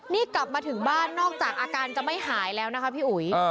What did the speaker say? นี่กลับมาถึงบ้านนอกจากอาการจะไม่หายแล้วนะคะพี่อุ๋ย